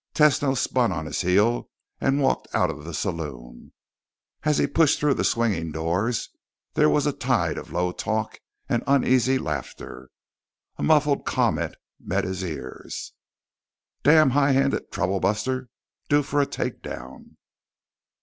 Tesno spun on his heel and walked out of the saloon. As he pushed through the swinging doors, there was a tide of low talk and uneasy laughter. A muffled comment met his ears: "Damned high handed troublebuster! Due for a takedown."